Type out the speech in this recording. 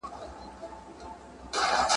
مستي خاموشه کیسې سړې دي